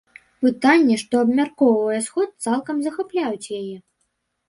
Пытанні, што абмяркоўвае сход, цалкам захапляюць яе.